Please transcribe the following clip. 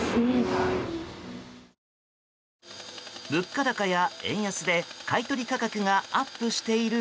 物価高や円安で買い取り価格がアップしている